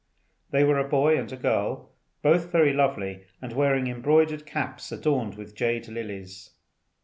They were a boy and girl, both very lovely, and wearing embroidered caps adorned with jade lilies.